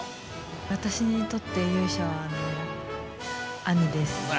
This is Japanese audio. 私にとって勇者は、兄です。